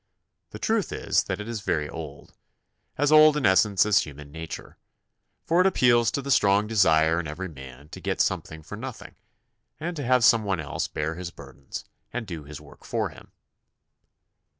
The truth is that it is very old, as old in essence as human nature, for it appeals to the strong desire in eveiy man to get something for nothing, and to have someone else bear his burdens and do his work for him.